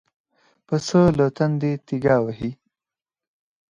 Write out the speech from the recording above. پسه له تندې تيګا وهي.